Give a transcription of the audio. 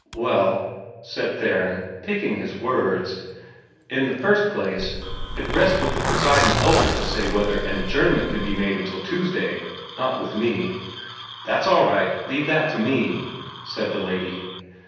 "Well," said Theron, picking his words, "in the first place, it rests with the Presiding Elder to say whether an adjournment can be made until Tuesday, not with me." "That's all right. Leave that to me," said the lady.